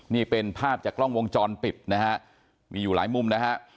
นี่เป็นภาพจากกล้องวงจรปิดนะฮะมีอยู่หลายมุมนะฮะ